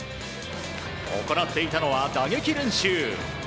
行っていたのは打撃練習。